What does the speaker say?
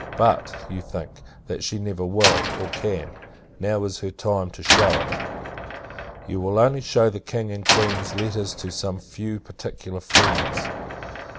But, you think, that she never will, or can. Now is her time to shew it. You will only shew the King and Queen's letters to some few particular friends.